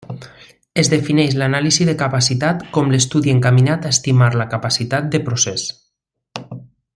Es defineix l'anàlisi de capacitat, com l'estudi encaminat a estimar la capacitat de procés.